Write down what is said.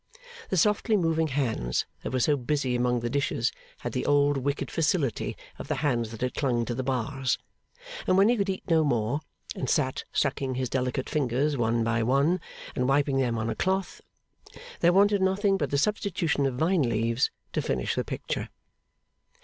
The softly moving hands that were so busy among the dishes had the old wicked facility of the hands that had clung to the bars. And when he could eat no more, and sat sucking his delicate fingers one by one and wiping them on a cloth, there wanted nothing but the substitution of vine leaves to finish the picture.